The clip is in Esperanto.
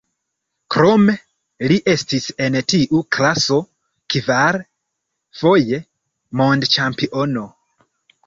Krome li estis en tiu klaso kvar foje mondĉampiono.